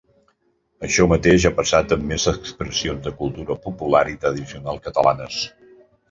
Això mateix ha passat amb més expressions de cultura popular i tradicional catalanes.